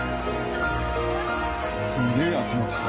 すげえ集まってきた。